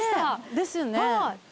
ですよね。